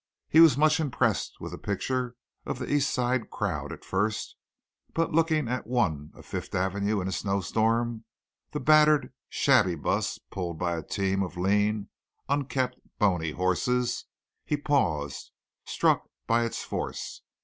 He was much impressed with the picture of the East Side Crowd at first, but looking at one of Fifth Avenue in a snow storm, the battered, shabby bus pulled by a team of lean, unkempt, bony horses, he paused, struck by its force.